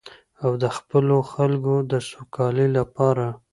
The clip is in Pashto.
او د خپلو خلکو د سوکالۍ لپاره.